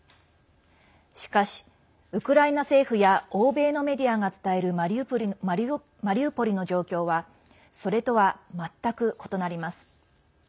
しかし、ウクライナ政府や欧米のメディアが伝えるマリウポリの状況はそれとは全く異なります。